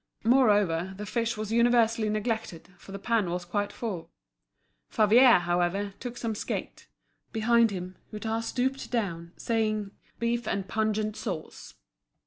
Moreover, the fish was universally neglected, for the pan was quite full. Favier, however, took some skate. Behind him, Hutin stooped down, saying: "Beef and pungent sauce."